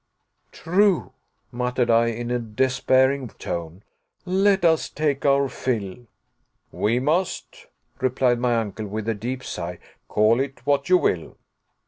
"True," muttered I in a despairing tone, "let us take our fill." "We must," replied my uncle, with a deep sigh, "call it what you will."